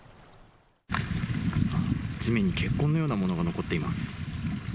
地面に血痕のようなものが残っています。